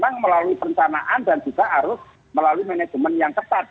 itu memang melalui perencanaan dan juga harus melalui manajemen yang tepat